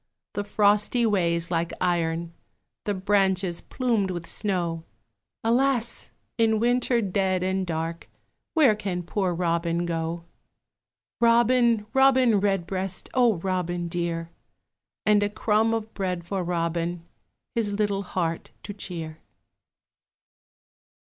The frosty ways like iron, The branches plumed with snow, Alas! in winter dead and dark, Where can poor Robin go? Robin, Robin Redbreast, O Robin dear! And a crumb of bread for Robin, His little heart to cheer.